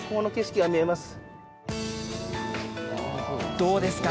どうですか？